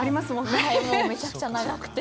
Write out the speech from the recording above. はいもうめちゃくちゃ長くて。